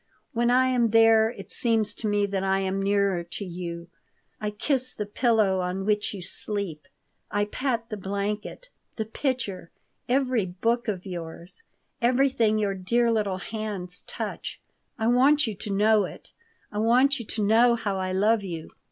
When I am there it seems to me that I am nearer to you. I kiss the pillow on which you sleep. I pat the blanket, the pitcher, every book of yours everything your dear little hands touch. I want you to know it. I want you to know how I love you.